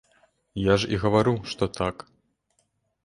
Я ж і гавару, што так.